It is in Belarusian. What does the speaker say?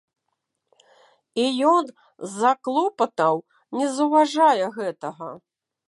І ён, з-за клопатаў, не заўважае гэтага.